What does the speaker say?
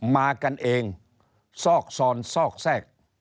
มากันเองซอกซอนซอกแทรก